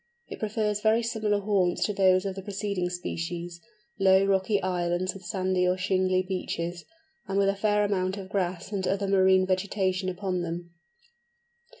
It prefers very similar haunts to those of the preceding species—low rocky islands with sandy or shingly beaches, and with a fair amount of grass and other marine vegetation upon them.